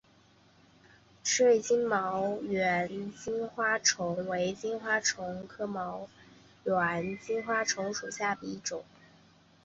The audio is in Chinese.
池端金毛猿金花虫为金花虫科金毛猿金花虫属下的一个种。